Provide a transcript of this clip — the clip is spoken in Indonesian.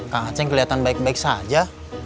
kang aceh kelihatan baik baik saja